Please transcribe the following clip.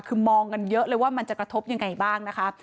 คือมองกันเยอะเลยว่ามันจะกระทบยังไงบ้างนะคะ